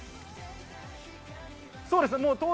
そうです。